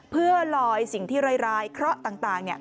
เพื่อลอยสิ่งที่ร้ายเคราะห์ต่าง